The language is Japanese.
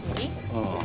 ああ。